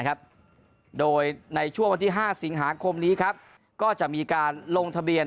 โดยในช่วงวันที่๕สิงหาคมนี้ครับก็จะมีการลงทะเบียน